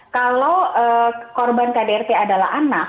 kalau korban kdrt adalah anak